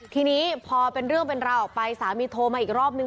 ทีนี้พอเป็นเรื่องเป็นราวออกไปสามีโทรมาอีกรอบนึง